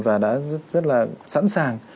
và đã rất là sẵn sàng